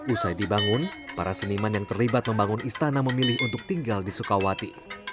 usai dibangun para seniman yang terlibat membangun istana memilih untuk tinggal di sukawati